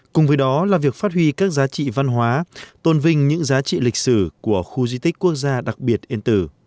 cùng với đó là việc phát huy các giá trị văn hóa tôn vinh những giá trị lịch sử của khu di tích quốc gia đặc biệt yên tử